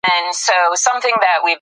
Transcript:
اغېزناک او اغېزمن بېلابېلې ماناوې لري.